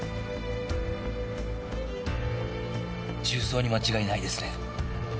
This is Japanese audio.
銃創に間違いないですね。